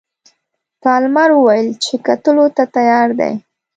پالمر وویل چې کتلو ته تیار دی.